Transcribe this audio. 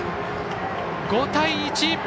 ５対１！